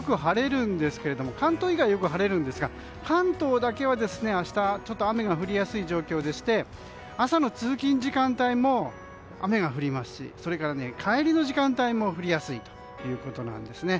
関東以外、よく晴れるんですが関東だけは明日、ちょっと雨が降りやすい状況でして朝の通勤時間帯も雨が降りますしそれから、帰りの時間帯も降りやすいということです。